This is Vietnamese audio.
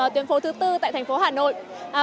tuyến phố thứ tư tại thành phố hà nội